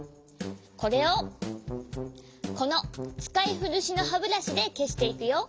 これをこのつかいふるしのはブラシでけしていくよ。